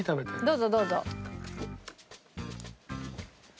どうぞどうぞ。